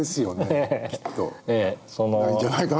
ないんじゃないかなって